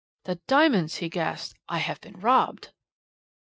"'The diamonds!' he gasped. 'I have been robbed.'"